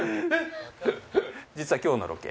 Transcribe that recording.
実は今日のロケ。